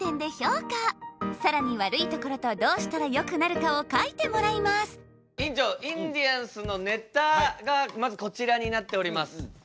更にわるいところとどうしたらよくなるかを書いてもらいます院長インディアンスのネタがまずこちらになっております。